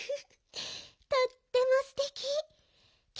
とってもすてき。